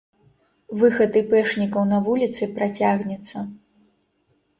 Выхад іпэшнікаў на вуліцы працягнецца.